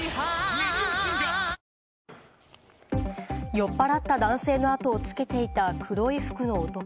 酔っ払った男性の後をつけていた黒い服の男。